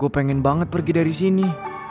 gue pengen banget pergi dari sini